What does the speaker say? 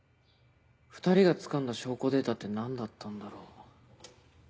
２人がつかんだ証拠データって何だったんだろう。